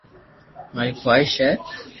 ماري خواݾ ھي